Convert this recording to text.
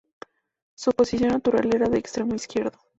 Su posición natural era de extremo izquierdo.